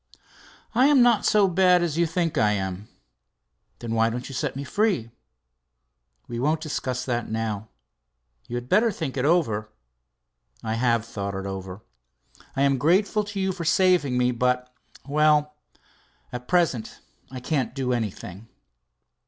"I am not so bad as you think I am." "Then why don't you set me free?" "We won't discuss that, now. You had better think it over." "I have thought it over. I am grateful to you for saving me, but well at present I can't do anything."